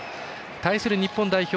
対する日本代表。